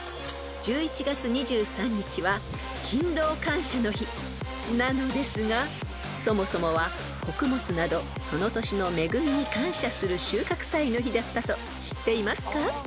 ［１１月２３日は勤労感謝の日なのですがそもそもは穀物などその年の恵みに感謝する収穫祭の日だったと知っていますか？］